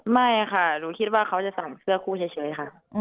ไม่ค่ะหนูคิดว่าเขาจะใส่เสื้อคู่เฉยค่ะ